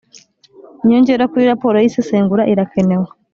inyongera kuri raporo y isesengura irakenewe